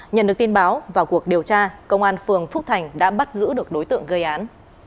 nhận được tin báo vào cuộc điều tra công an phường phúc thành đã bắt giữ được đối tượng gây án